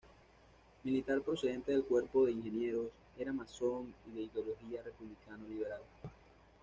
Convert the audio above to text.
Militar procedente del Cuerpo de ingenieros, era masón y de ideología republicano-liberal.